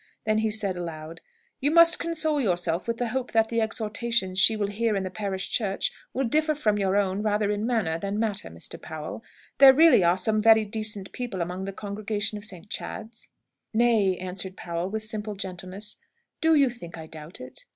Then he said aloud, "You must console yourself with the hope that the exhortations she will hear in the parish church will differ from your own rather in manner than matter, Mr. Powell. There really are some very decent people among the congregation of St. Chad's." "Nay," answered Powell, with simple gentleness, "do you think I doubt it?